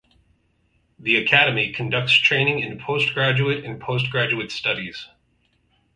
The Academy conducts training in postgraduate and postgraduate studies.